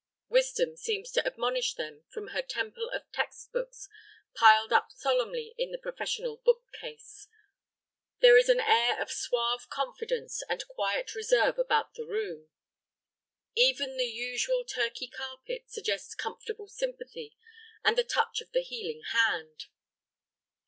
Wisdom seems to admonish them from her temple of text books piled up solemnly in the professional bookcase. There is an air of suave confidence and quiet reserve about the room. Even the usual Turkey carpet suggests comfortable sympathy and the touch of the healing hand.